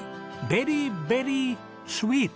ベリーベリースイート！